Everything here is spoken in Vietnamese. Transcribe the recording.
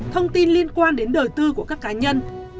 thông tin liên quan đến đời tư của các cá nhân